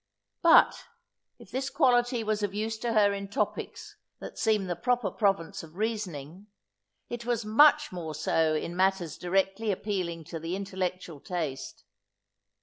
But, if this quality was of use to her in topics that seem the proper province of reasoning, it was much more so in matters directly appealing to the intellectual taste.